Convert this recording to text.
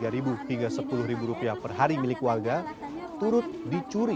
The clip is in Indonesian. rp tiga hingga rp sepuluh per hari milik warga turut dicuri